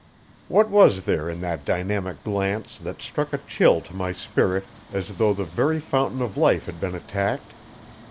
What was there in that dynamic glance that struck a chill to my spirit as though the very fountain of life had been attacked?